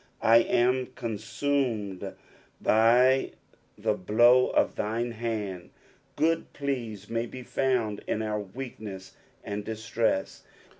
"/ am cmigumed fn/ the Uhk of thine hand." Quod pleas may be found in our weakness and distrtss.